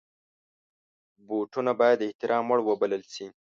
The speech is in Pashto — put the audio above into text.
بوټونه باید د احترام وړ وبلل شي.